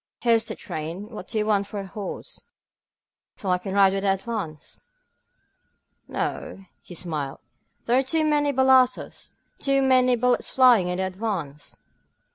Here's the train. What do you want a horse forP' ^So I can ride with the advance." ^^No," he smiled. There are too many balassos — too many bullets flying in the advance.